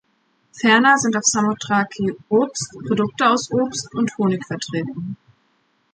Ferner sind auf Samothraki Obst, Produkte aus Obst und Honig vertreten.